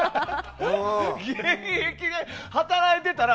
現役で働いてたら。